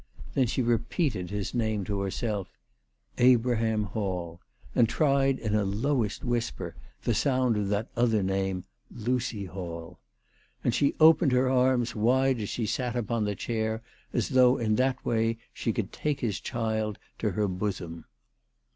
Then she repeated his name to herself, Abraham Hall, and tried in a lowest whisper the sound of that other name, Lucy Hall. And she opened her arms wide as she sat upon the chair as though in that way she could take his child to her bosom.